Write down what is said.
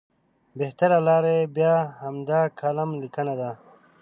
بهتره لاره یې بیا همدا کالم لیکنه ده.